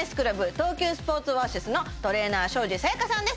東急スポーツオアシスのトレーナー庄司沙弥香さんです